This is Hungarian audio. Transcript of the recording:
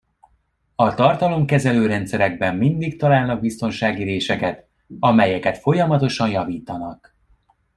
A tartalomkezelő rendszerekben mindig találnak biztonsági réseket, amelyeket folyamatosan javítanak.